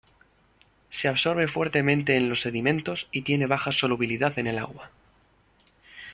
Se absorbe fuertemente en los sedimentos y tiene baja solubilidad en el agua.